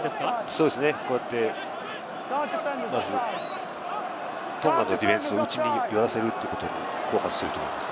そうですね、こうやってトンガのディフェンスを内に寄らせるというところにフォーカスしていると思います。